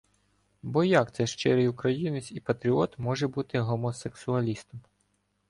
Бо як це щирий українець і патріот може бути гомосексуалістом?